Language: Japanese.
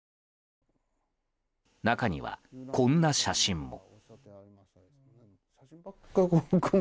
中には、こんな写真も。